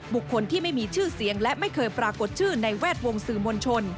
บุคคลที่ไม่มีชื่อเสียงและไม่เคยปรากฏชื่อในแวดวงสื่อมวลชน